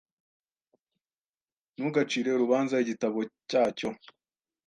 Ntugacire urubanza igitabo cyacyo.